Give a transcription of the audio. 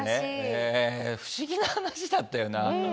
えー不思議な話だったよな。